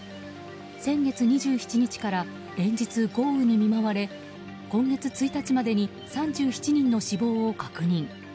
先月２７日から連日、豪雨に見舞われ今月１日までに３７人の死亡を確認。